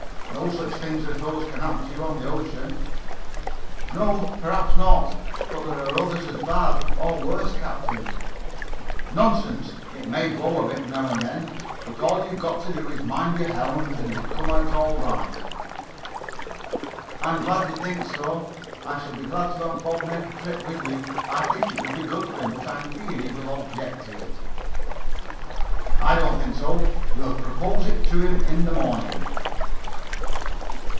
No such things as those can happen to you on the ocean." "No, perhaps not, but there are others as bad, or worse, captain." "Nonsense! It may blow a bit, now and then, but all you've got to do is mind your helm and you'll come out all right." "I am glad you think so. I should be very glad to have Bob make a trip with you. I think it would do him good, but I fear he will object to it." "I don't think so. We'll propose it to him in the morning."